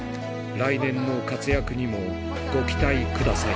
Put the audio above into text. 来年の活躍にもご期待ください。